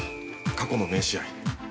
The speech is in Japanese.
過去の名試合。